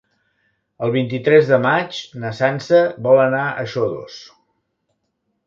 El vint-i-tres de maig na Sança vol anar a Xodos.